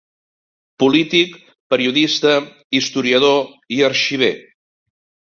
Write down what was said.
Polític, periodista, historiador i arxiver.